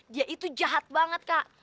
dia itu jahat banget kak